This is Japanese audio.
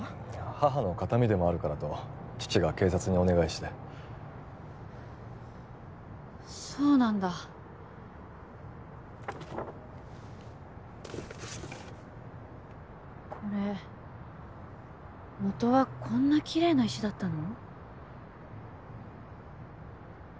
母の形見でもあるからと父が警察にお願いしてそうなんだこれもとはこんなきれいな石だったの？